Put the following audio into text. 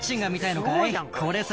これさ。